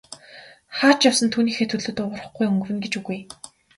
Хаа ч явсан түүнийхээ төлөө дуугарахгүй өнгөрнө гэж үгүй.